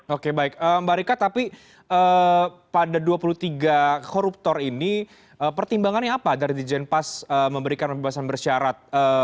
oke baik mbak rika tapi pada dua puluh tiga koruptor ini pertimbangannya apa dari di jenpas memberikan pembebasan bersyarat